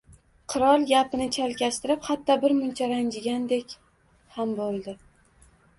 Qirol gapini chalkashtirib, hatto birmuncha ranjigandek ham bo‘ldi.